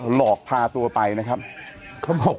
หลอกพาตัวไปนะครับ